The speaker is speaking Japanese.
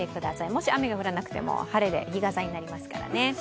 もし雨が降らなくても晴れで日傘になりますからね。